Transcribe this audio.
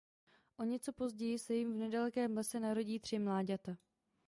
O něco později se jim v nedalekém lese narodí tři mláďata.